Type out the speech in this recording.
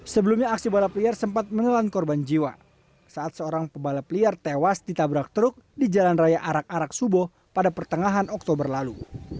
sebelumnya aksi balap liar sempat menelan korban jiwa saat seorang pebalap liar tewas ditabrak truk di jalan raya arak arak subo pada pertengahan oktober lalu